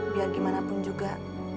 biar gimana pun juga